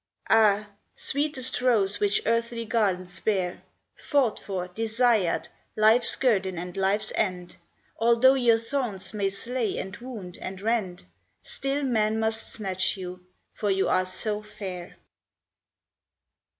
THORNS. 191 Ah, sweetest rose which earthly gardens bear, Fought for, desired, life s guerdon and life s end, Although your thorns may slay and wound and rend, Still men must snatch you ; for you are so fair.